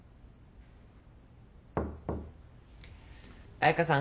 ・彩佳さん。